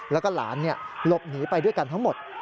แล้วก็หลานหลบหนีไปด้วยกันทั้งหมด